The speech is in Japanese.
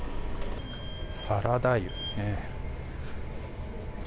サラダ油ね。